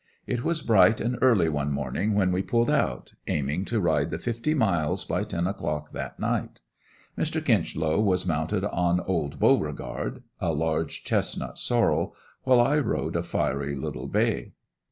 It was bright and early one morning when we pulled out, aiming to ride the fifty miles by ten o'clock that night. Mr. Kinchlow was mounted on "old Beauregard," a large chestnut sorrel, while I rode a fiery little bay.